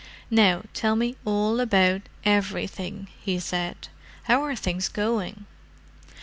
"Now tell me all about everything," he said. "How are things going?"